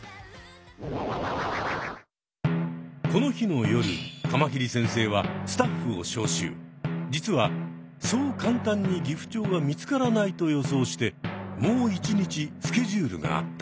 この日の夜カマキリ先生は実はそう簡単にギフチョウは見つからないと予想してもう一日スケジュールがあった。